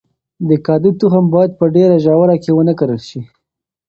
د کدو تخم باید په ډیره ژوره کې ونه کرل شي.